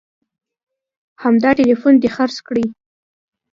همدا ټلیفون دې خرڅ کړي